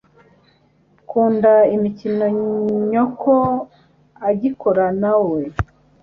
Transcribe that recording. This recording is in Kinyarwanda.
kunda imikino nyoko agikora nawe